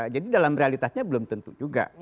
jadi dalam realitasnya belum tentu juga